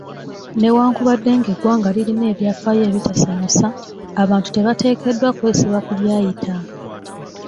Newankubadde ng'eggwanga lirina ebyafaayo ebitasanyusa, abantu tebateekeddwa kwesiba ku byayita.